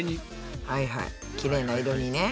はいはいキレイな色にね。